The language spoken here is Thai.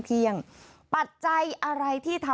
ค่ะคือเมื่อวานี้ค่ะ